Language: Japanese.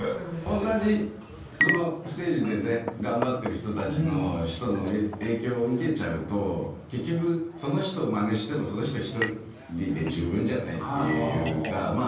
同じこのステージでね頑張ってる人たちの人の影響を受けちゃうと結局その人をマネしてもその人は１人で十分じゃない？っていうかまあ